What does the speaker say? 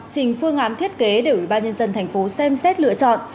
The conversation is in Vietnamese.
trình phương án thiết kế để ủy ban nhân dân thành phố xem xét lựa chọn